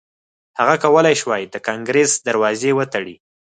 هغه کولای شوای د کانګریس دروازې وتړي.